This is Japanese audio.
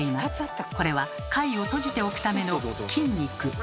これは貝を閉じておくための筋肉。